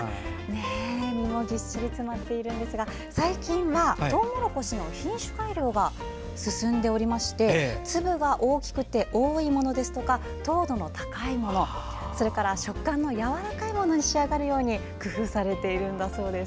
実もぎっしりと詰まっていますが最近はトウモロコシの品種改良が進んでいて粒が大きくて多いものですとか糖度の高いものそして食感がやわらかいものに仕上がるように工夫されているんだそうです。